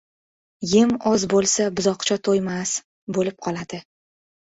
• Yem oz bo‘lsa, buzoqcha to‘ymas bo‘lib qoladi.